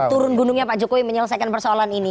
turun gunungnya pak jokowi menyelesaikan persoalan ini